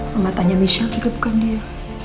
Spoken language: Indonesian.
mama tanya michelle juga bukan dia